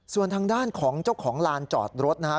ส่วนทางด้านของเจ้าของลานจอดรถนะครับ